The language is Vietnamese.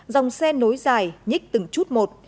dòng xe nối dài nhích từng chút một